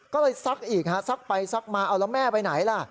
ก็เลยซักอีกฮะซักไปซักมาเอาแล้วแม่ไปไหนล่ะ